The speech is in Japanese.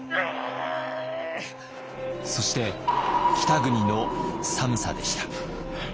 そして北国の寒さでした。